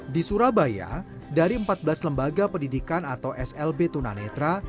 di surabaya dari empat belas lembaga pendidikan atau slb tunanetra